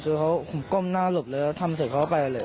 ไม่ทันนะพี่คือเขาก้มหน้าหลบเลยแล้วทำเสร็จเขาไปเลย